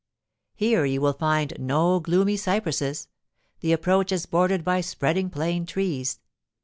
Here you will find no gloomy cypresses: the approach is bordered by spreading plane trees.